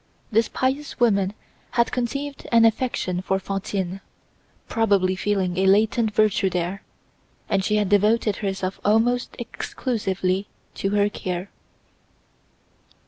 This pious woman had conceived an affection for Fantine, probably feeling a latent virtue there, and she had devoted herself almost exclusively to her care.